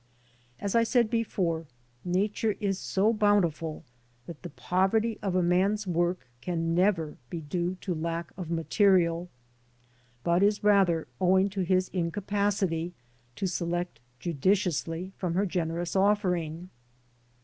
As I said before. Nature is so boun tiful that the poverty of a man's work can never be due to lack of material, but is rather owing to his incapacity to select judiciously from her generous offering.